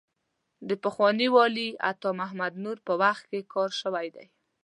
د پخواني والي عطا محمد نور په وخت کې کار شوی دی.